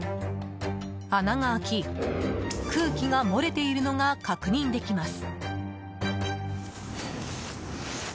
穴が開き、空気が漏れているのが確認できます。